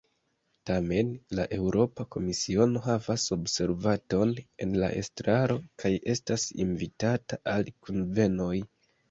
Tamen, la Eŭropa Komisiono havas observanton en la estraro kaj estas invitata al kunvenoj.